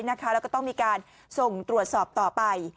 แล้วก็ต้องมีการส่งตรวจสอบต่อไป